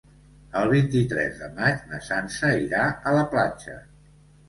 El vint-i-tres de maig na Sança irà a la platja.